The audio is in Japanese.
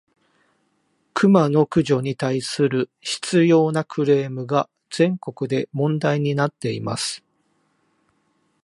クマの駆除に対する執拗（しつよう）なクレームが、全国で問題になっています。